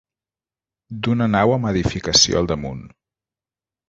D'una nau amb edificació al damunt.